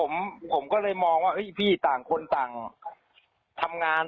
ผมก็เลยมองว่าพี่ต่างคนต่างทำงาน